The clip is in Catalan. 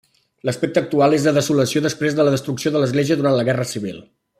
L'aspecte actual és de desolació després de la destrucció de l'església durant la guerra civil.